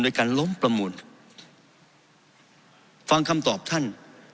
โดยการล้มประมูลฟังคำตอบท่าน